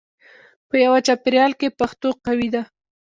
په یوه چاپېریال کې پښتو قوي ده.